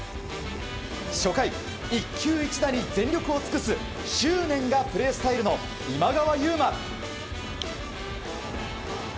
初回、一球一打に全力を尽くす執念がプレースタイルの今川優馬。